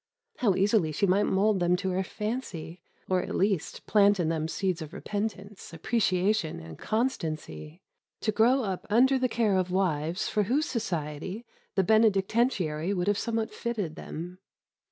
How easily she might mould them to her fancy, or, at least, plant in them seeds of repentance, appreciation, and constancy, to grow up under the care of wives for whose society the Benedictentiary would have somewhat fitted them.